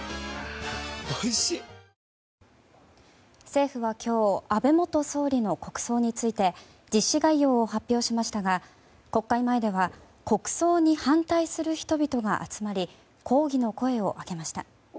政府は今日安倍元総理の国葬について実施概要を発表しましたが国会前では国葬に反対する人々が集まり抗議の声を上げました。